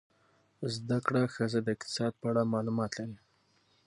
زده کړه ښځه د اقتصاد په اړه معلومات لري.